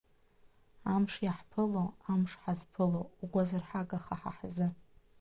Амш иаҳԥыло, амш ҳазԥыло, угәзырҳагаха ҳа ҳзы!